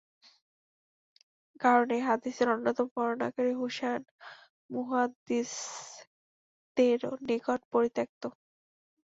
কারণ এ হাদীসের অন্যতম বর্ণনাকারী হুসায়ন মুহাদ্দিসদের নিকট পরিত্যক্ত।